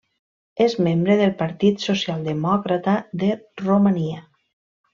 És membre del Partit Socialdemòcrata de Romania.